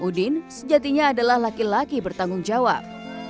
udin sejatinya adalah laki laki bertanggung jawab